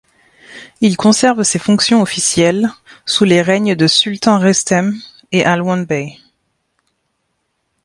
Il conserve ses fonctions officielles sous les règnes de Sultan Rüstem et Alwand Bey.